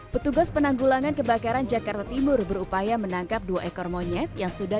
petugas penanggulangan kebakaran jakarta timur berupaya menangkap dua ekor monyet yang sudah